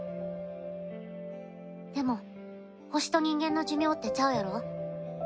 でも惑星と人間の寿命ってちゃうやろ？